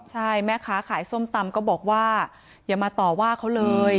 ใช่แม่ค้าขายส้มตำก็บอกว่าอย่ามาต่อว่าเขาเลย